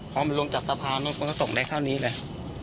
เพราะมันลงจากประพานนั้นมันก็ส่งได้แค่นี้แหละ